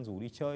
rủ đi chơi